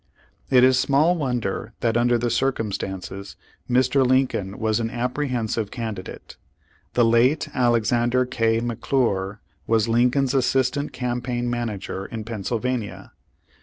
It is small wonder that under the circumstances Mr. Lincoln was an apprehensive candidate. The late Alexander K. McClure was Lincoln's assistant campaign m.anager in Pennsylvania.